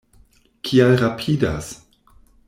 Kial rapidas?